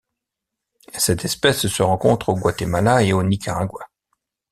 Cette espèce se rencontre au Guatemala et au Nicaragua.